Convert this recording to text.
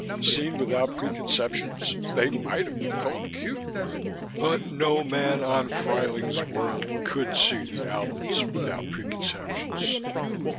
Seen without preconceptions they might have been called cute. But no man on Fruyling's World could see the Alberts without preconceptions.